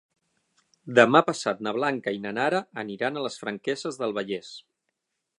Demà passat na Blanca i na Nara aniran a les Franqueses del Vallès.